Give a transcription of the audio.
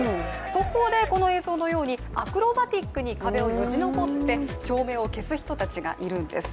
そこでこの映像のようにアクロバティックに壁をよじ登って照明を消す人たちがいるんです。